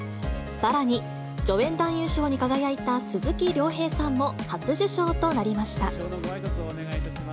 さらに、助演男優賞に輝いた鈴木亮平さんも初受賞となりました。